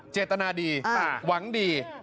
เจตนาดีหวังดี